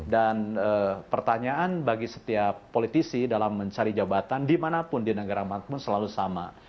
dan pertanyaan bagi setiap politisi dalam mencari jabatan dimanapun di negara mana pun selalu sama